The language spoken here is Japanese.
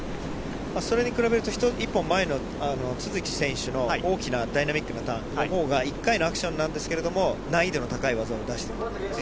それに比べると、１本前の都筑選手の大きなダイナミックなターン、１回のアクションなんですけれども、難易度の高い技を出してるんです。